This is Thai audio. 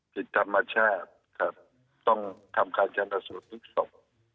ผิดธรรมชาติครับต้องทำการชนสูตรพลิกศพ